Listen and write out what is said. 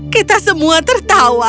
kita semua tertawa